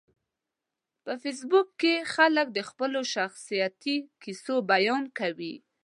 په فېسبوک کې خلک د خپلو شخصیتي کیسو بیان کوي